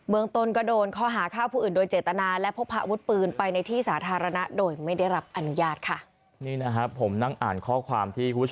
เมืองต้นก็โดนข้อหาฆ่าผู้อื่นโดยเจตนาและพกพาอาวุธปืนไปในที่สาธารณะโดยไม่ได้รับอนุญาตค่ะ